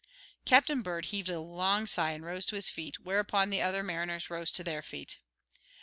Captain Bird heaved a long sigh and rose to his feet, whereupon the other mariners rose to their feet.